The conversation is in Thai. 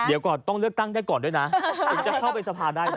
เดี๋ยวก่อนต้องเลือกตั้งได้ก่อนด้วยนะถึงจะเข้าไปสภาได้นะ